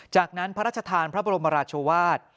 จากนั้นพระราชทานพระบรมราชวาส